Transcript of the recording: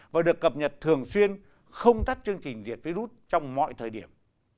và được cập nhật thường xuyên không tắt chương trình diệt virus trong mọi thời điểm